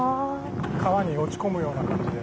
川に落ち込むような感じで。